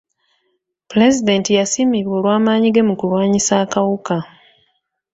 Pulezidenti yasiimibwa olw'amaanyi ge mu kulwanyisa akawuka.